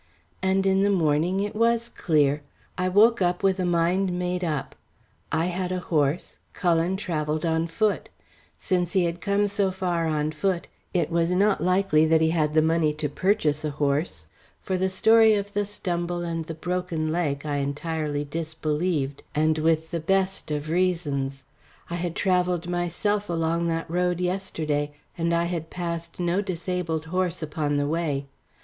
And in the morning it was clear. I woke up with a mind made up. I had a horse; Cullen travelled on foot; since he had come so far on foot, it was not likely that he had the money to purchase a horse, for the story of the stumble and the broken leg I entirely disbelieved, and with the best of reasons. I had travelled myself along that road yesterday, and I had passed no disabled horse upon the way.